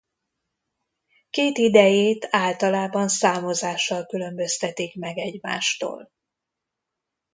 Két idejét általában számozással különböztetik meg egymástól.